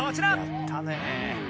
やったね。